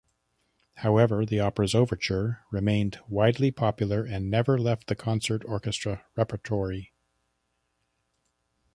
However, the opera's overture remained widely popular and never left the concert orchestra repertory.